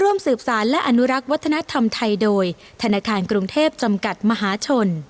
ร่วมสืบสารและอนุรักษ์วัฒนธรรมไทยโดยธนาคารกรุงเทพจำกัดมหาชน